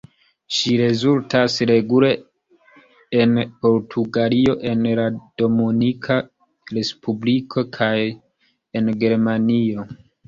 Ŝi rezultas regule en Portugalio, en la Dominika Respubliko kaj en Germanio.